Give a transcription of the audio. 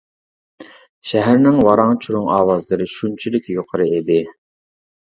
شەھەرنىڭ ۋاراڭ-چۇرۇڭ ئاۋازلىرى شۇنچىلىك يۇقىرى ئىدى.